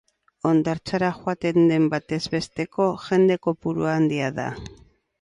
Hondartzara joaten den batez besteko jende kopurua handia da.